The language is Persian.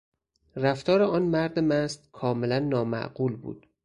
رفتار آن مرد مست کاملا نامعقول بود.